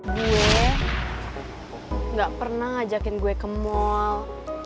gue gak pernah ngajakin gue ke mall